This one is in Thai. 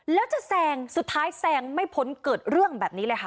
แล้วจะแซงสุดท้ายแซงไม่พ้นเกิดเรื่องแบบนี้เลยค่ะ